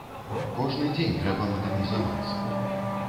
Кожны дзень трэба мадэрнізавацца.